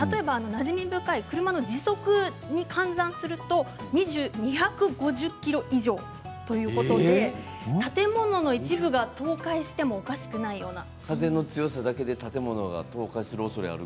なじみ深い車の時速に換算すると２５０ｋｍ以上ということで建物の一部が倒壊してもおかしくないような。